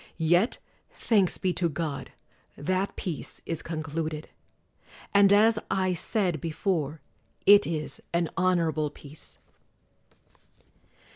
Yet, thanks be to God, that peace is concluded; and as I said before, it is an honorable peace.